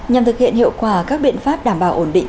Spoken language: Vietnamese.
nhằm thực hiện hiệu quả các biện pháp đảm bảo ổn định